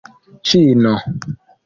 ĉino